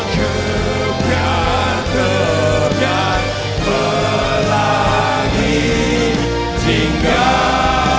gebiar gebiar pelagi cinggah